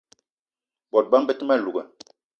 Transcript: Bot bama be te ma louga